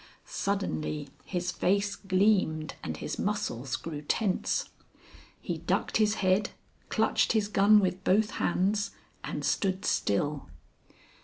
Suddenly his face gleamed and his muscles grew tense; he ducked his head, clutched his gun with both hands, and stood still.